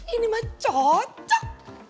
ini mah cocok